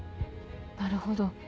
なるほど。